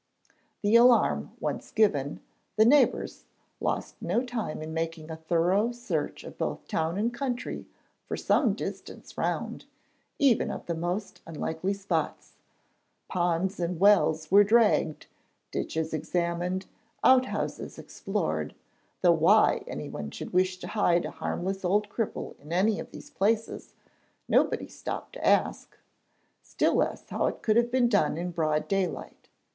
The alarm once given, the neighbours lost no time in making a thorough search of both town and country for some distance round, even of the most unlikely spots. Ponds and wells were dragged, ditches examined, outhouses explored; though why anyone should wish to hide a harmless old cripple in any of these places, nobody stopped to ask, still less how it could have been done in broad daylight.